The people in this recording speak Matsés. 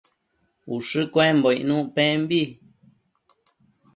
ushë cuembo icnuc pembi